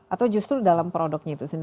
atau justru dalam produknya itu sendiri